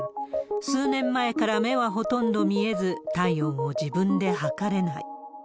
数年前から目はほとんど見えず、体温も自分で測れない。